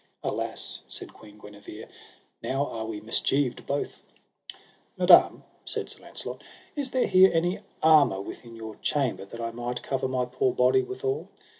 Alas said Queen Guenever, now are we mischieved both Madam, said Sir Launcelot, is there here any armour within your chamber, that I might cover my poor body withal?